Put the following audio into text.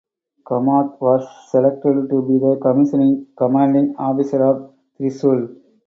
Kamath was selected to be the commissioning commanding officer of "Trishul".